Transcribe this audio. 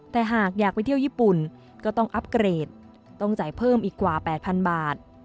แต่หากอยากไปเที่ยวญี่ปุ่นก็ต้องอัพเกรดต้องจ่ายเพิ่มอีกกว่า๘๐๐๐บาท